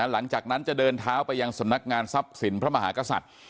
หลังจากนั้นจะเดินเท้าไปยังสำนักงานทรัพย์สินพระมหากษัตริย์